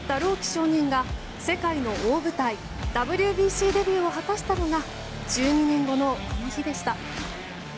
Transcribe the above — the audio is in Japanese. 少年が世界の大舞台ＷＢＣデビューを果たしたのが１２年後のこの日でした。